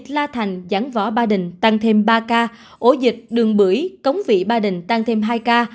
la thành giảng võ ba đình tăng thêm ba ca ổ dịch đường bưởi cống vị ba đình tăng thêm hai ca